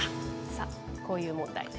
さあ、こういう問題。